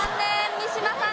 三島さん